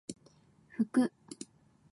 ふく